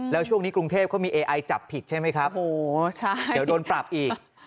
แล้วช่วงนี้กรุงเทพเขามีเอไอจับผิดใช่ไหมครับโอ้โหเดี๋ยวโดนปรับอีก